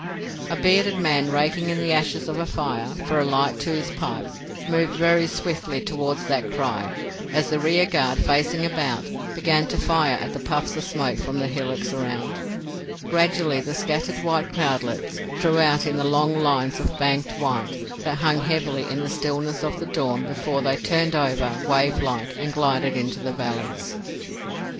A bearded man raking in the ashes of a fire for a light to his pipe moved very swiftly towards that cry, as the rearguard, facing about, began to fire at the puffs of smoke from the hillocks around. Gradually the scattered white cloudlets drew out into the long lines of banked white that hung heavily in the stillness of the dawn before they turned over wave like and glided into the valleys.